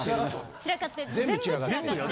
散らかって全部散らかって。